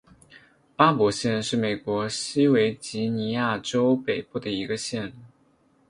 巴伯县是美国西维吉尼亚州北部的一个县。